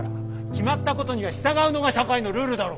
決まったことには従うのが社会のルールだろ。